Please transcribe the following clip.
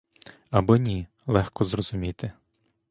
Або ні: легко зрозуміти.